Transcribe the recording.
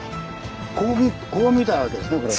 こう見たわけですねこれね。